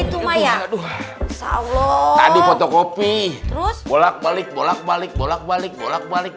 itu maya aduh saloh aduh fotokopi terus bolak balik bolak balik bolak balik bolak balik